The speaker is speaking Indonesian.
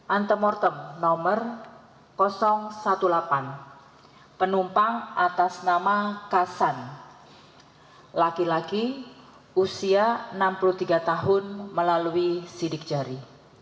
antemortem nomor delapan belas penumpang atas nama kasan laki laki usia enam puluh tiga tahun melalui sidik jari